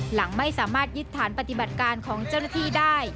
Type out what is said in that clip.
หลังไม่สามารถยึดฐานปฏิบัติการของเจ้าหน้าที่ได้